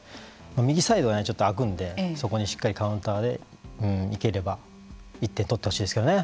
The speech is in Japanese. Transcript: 右サイドがちょっとあくんでそこにしっかりカウンターで行ければ１点取って欲しいですけどね。